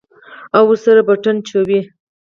او ورسره پټن چوي.